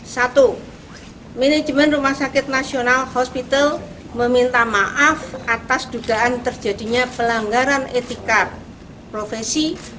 satu manajemen rumah sakit nasional hospital meminta maaf atas dugaan terjadinya pelanggaran etika profesi